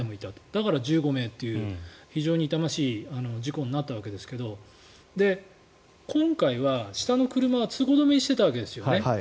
だから１５名という非常に痛ましい事故になったわけですが今回は下の車は通行止めにしていたわけですよね。